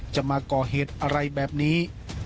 จะมาก่อเหตุอะไรแบบนี้